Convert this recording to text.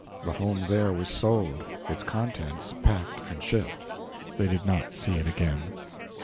The home there was sold its contents packed and shipped. They did not see it again.